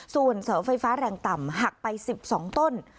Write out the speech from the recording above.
ส่วนเสาไฟฟ้าแรงต่ำหักไป๑๒ต้น